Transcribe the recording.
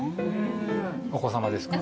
お子さまですか？